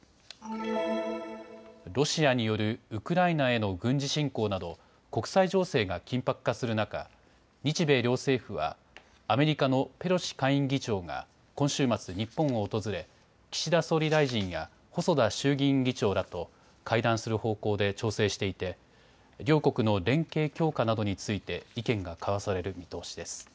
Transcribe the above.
ロシアによるウクライナへの軍事侵攻など国際情勢が緊迫化する中、日米両政府はアメリカのペロシ下院議長が今週末、日本を訪れ岸田総理大臣や細田衆議院議長らと会談する方向で調整していて両国の連携強化などについて、意見が交わされる見通しです。